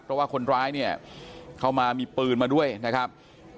เพราะว่าคนร้ายเนี่ยเข้ามามีปืนมาด้วยนะครับ